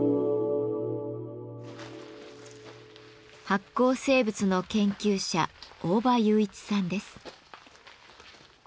発光生物の研究者大場裕一さんです。